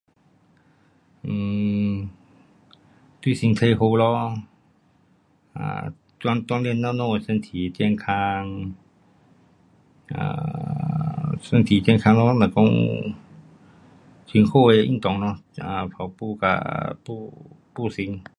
嗯，对身体好咯，啊，锻炼咱们的身体健康。啊，身体健康咯若讲，很好的运动咯。um 跑步跟步行。